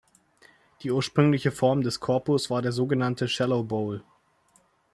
Die ursprüngliche Form des Korpus war der so genannte "Shallow Bowl".